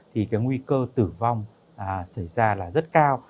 thì nguy cơ tử vong xảy ra rất cao